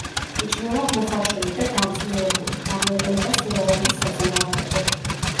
იჭმევა მოხარშული და დამწნილებული, გამოიყენება სურავანდის საწინააღმდეგოდ.